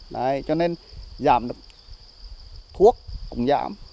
đấy cho nên giảm được thuốc cũng giảm